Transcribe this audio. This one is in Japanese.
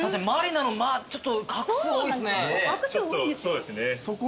そうですね。